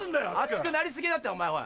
熱くなり過ぎだってお前。